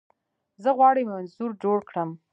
زه غواړم یو انځور جوړ کړم.